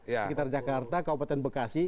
sekitar jakarta kabupaten bekasi